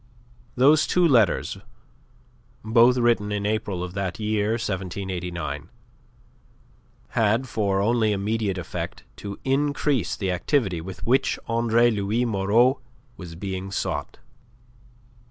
Those two letters, both written in April of that year 1789, had for only immediate effect to increase the activity with which Andre Louis Moreau was being sought.